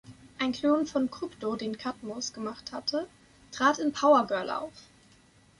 Ein Klon von Krypto, den Cadmus gemacht hatte, trat in „Power Girl“ auf.